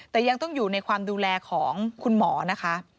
แต่ยังต้องอยู่ในความดูแลของคุณหมอนะคะ